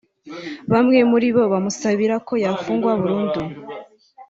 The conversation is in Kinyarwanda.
Bamwe muri bo bamusabira ko yafungwa burundu